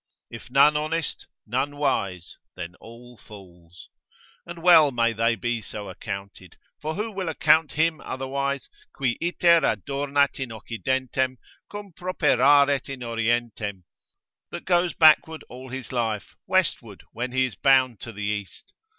If none honest, none wise, then all fools. And well may they be so accounted: for who will account him otherwise, Qui iter adornat in occidentem, quum properaret in orientem? that goes backward all his life, westward, when he is bound to the east?